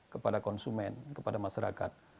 kepada konsumen kepada masyarakat